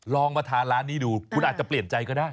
ลองมาทานร้านนี้ดูคุณอาจจะเปลี่ยนใจก็ได้